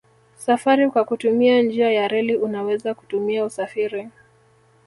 Safari kwa kutumia njia ya reli unaweza kutumia usafiri